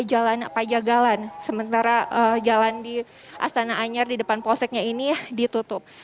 jalan pajagalan sementara jalan di astana anyar di depan polseknya ini ditutup